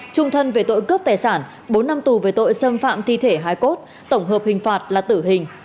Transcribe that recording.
trung thân về tội cướp tài sản bốn năm tù về tội xâm phạm thi thể hái cốt tổng hợp hình phạt là tử hình